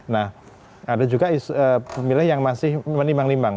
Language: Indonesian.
nah ada juga pemilih yang masih menimbang nimbang